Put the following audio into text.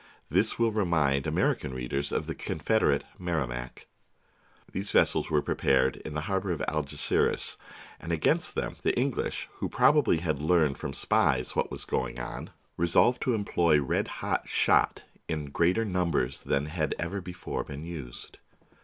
They will remind American readers of the Confederate Merrimac. These vessels were prepared in the harbour of Algeciras, and against them the English, who probably had learned from spies what was going THE BOOK OF FAMOUS SIEGES on, resolved to employ red hot shot in greater num bers than had ever before been used.